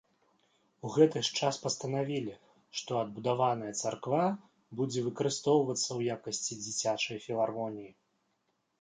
У гэты ж час пастанавілі, што адбудаваная царква будзе выкарыстоўвацца ў якасці дзіцячай філармоніі.